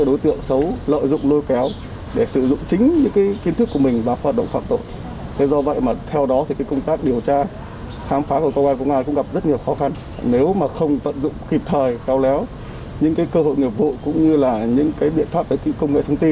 đây là đối tượng lợi dụng công nghệ cao và không gian mạng